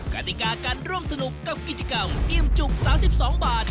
กติกาการร่วมสนุกกับกิจกรรมอิ่มจุก๓๒บาท